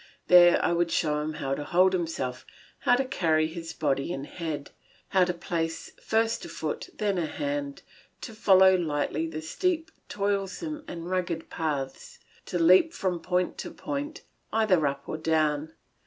There I would show him how to hold himself, how to carry his body and head, how to place first a foot then a hand, to follow lightly the steep, toilsome, and rugged paths, to leap from point to point, either up or down.